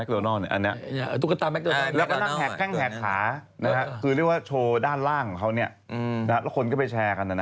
แภกค์แข็งแข่ขานะคะคือลืมว่าโชว์ด้านล่างของเขาเนี่ยนะคนก็ไปแชร์กันนะนะล่ะ